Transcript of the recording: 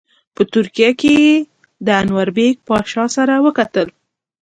په ترکیه کې یې د انوربیګ پاشا سره وکتل.